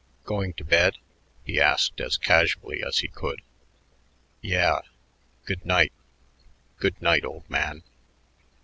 "Going to bed?" he asked as casually as he could. "Yeah. Good night." "Good night, old man."